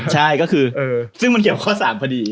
ใช่ซึ่งมันเกี่ยวกับข้อ๓พอดี